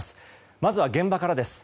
まずは現場からです。